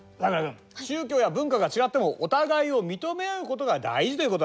君宗教や文化が違ってもお互いを認め合うことが大事ということだ。